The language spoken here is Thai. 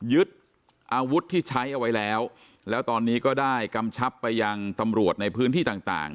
ยึดอาวุธที่ใช้เอาไว้แล้วแล้วตอนนี้ก็ได้กำชับไปยังตำรวจในพื้นที่ต่างต่าง